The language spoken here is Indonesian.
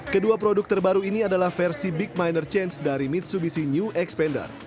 kedua produk terbaru ini adalah versi big minor change dari mitsubishi new expander